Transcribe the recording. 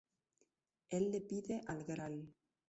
Él le pide al Gral.